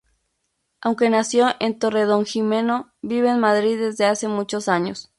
Aunque nació en Torredonjimeno, vive en Madrid desde hace muchos años.